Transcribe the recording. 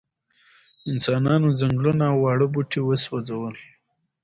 انسانانو ځنګلونه او واړه بوټي وسوځول.